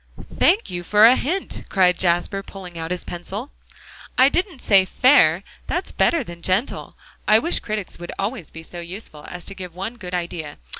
"Thank you for a hint," cried Jasper, pulling out his pencil. "I didn't say 'fair'; that's better than 'gentle.' I wish critics would always be so useful as to give one good idea.